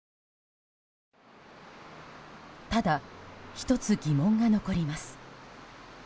ただ、１つ疑問が残ります。